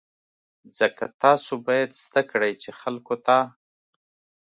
ځکه تاسو باید زده کړئ چې خلکو ته.